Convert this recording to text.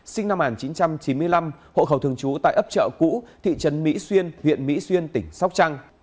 sinh năm một nghìn chín trăm chín mươi năm hộ khẩu thường trú tại ấp chợ cũ thị trấn mỹ xuyên huyện mỹ xuyên tỉnh sóc trăng